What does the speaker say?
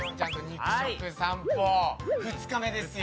肉食さんぽ、２日目ですよ。